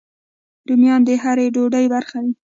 رومیان د هر ډوډۍ برخه وي